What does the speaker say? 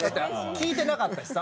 聞いてなかったしさ。